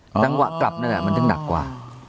แต่ตั้งความเขลากลับนั้นใหญ่มันช่างหนักกว่า